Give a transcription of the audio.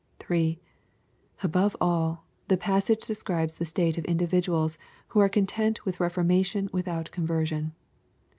3. — Above aU, the passage describes the state of individuals who are content with reformation without conversion.